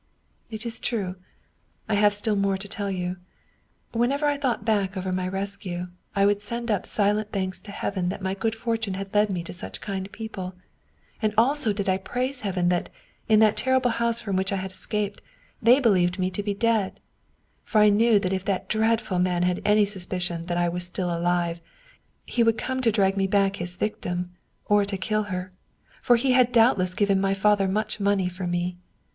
"" It is true, I have still more to tell you. Whenever I thought back over my rescue, I would send up silent thanks to Heaven that my good fortune had led me to such kind people. And also did I praise Heaven that, in that terrible house from which I had escaped, they believed me to be dead. For I knew that if that dreadful man had any suspicion that I was still alive, he would come to drag back his victim, or to kill her. For he had doubt less given my father much money for me.